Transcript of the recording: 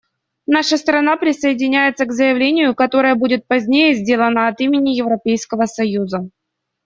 Наша страна присоединяется к заявлению, которое будет позднее сделано от имени Европейского союза.